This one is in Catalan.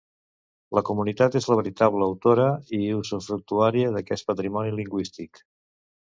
La comunitat és la veritable autora i usufructuària d'aquest patrimoni lingüístic.